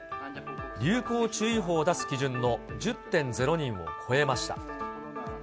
流行注意報を出す基準の１０．０人を超えました。